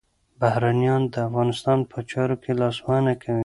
بهرنیان د افغانستان په چارو کي لاسوهنه کوي.